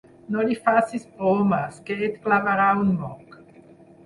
No li facis bromes, que et clavarà un moc.